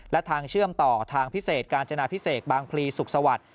และทางเชื่อมต่อทางพิเศษกาญจนาพิเศษบางพลีสุขสวัสดิ์